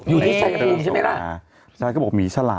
อยู่ที่สายกำลังใช่ไหมล่ะ